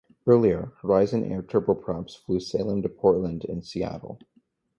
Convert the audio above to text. Earlier, Horizon Air turboprops flew Salem to Portland and Seattle.